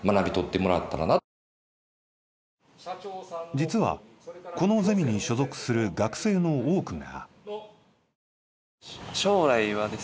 実はこのゼミに所属する学生の多くが。